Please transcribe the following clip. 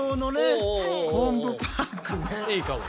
いいかも。